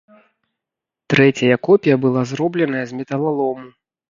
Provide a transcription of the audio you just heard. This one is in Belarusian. Трэцяя копія была зробленая з металалому.